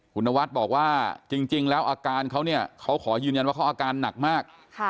คุณนวัดบอกว่าจริงแล้วอาการเขาเนี่ยเขาขอยืนยันว่าเขาอาการหนักมาก